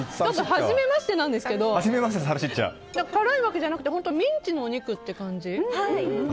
はじめましてなんですけど辛いわけじゃなくてミンチのお肉って感じ。